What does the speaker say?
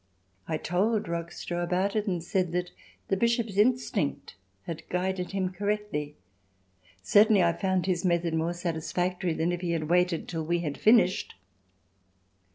I told Rockstro about it and said that the bishop's instinct had guided him correctly—certainly I found his method more satisfactory than if he had waited till we had finished.